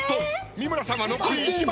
三村さんは残り１枚！